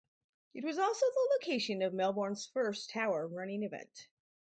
It was also the location of Melbourne's first Tower running event.